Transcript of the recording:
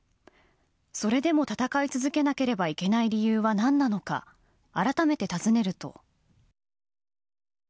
それでも戦い続けなければいけない理由は何なのか改めて尋ねると。